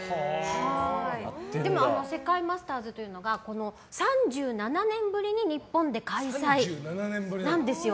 でも、世界マスターズというのが３７年ぶりに日本で開催なんですよ。